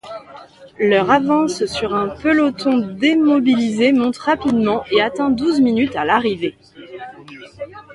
Leur avance sur un peloton démobilisé monte rapidement et atteint douze minutes à l'arrivée.